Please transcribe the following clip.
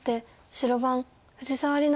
白番藤沢里菜